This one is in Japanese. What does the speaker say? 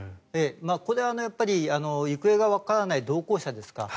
これは行方がわからない同行者ですか。